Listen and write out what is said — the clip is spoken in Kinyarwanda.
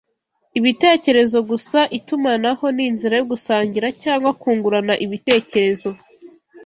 ibitekerezo gusa Itumanaho ni inzira yo gusangira cyangwa kungurana ibitekerezo